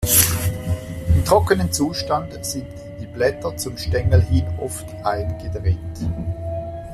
Im trockenen Zustand sind die Blätter zum Stängel hin oft eingedreht.